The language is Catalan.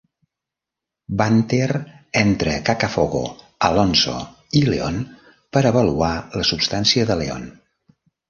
Banter entre Cacafogo, Alonzo i Leon per avaluar la substància de Leon.